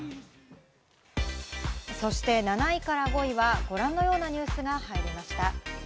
そして７位から５位はご覧のようなニュースが入りました。